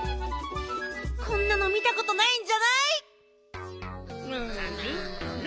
こんなの見たことないんじゃない？